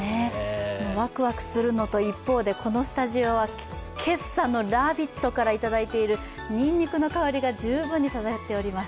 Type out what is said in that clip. わくわくするのと一方でこのスタジオはけさの「ラヴィット！」からいただいているにんにくの香りが十分に漂っております。